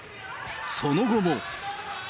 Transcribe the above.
その後も。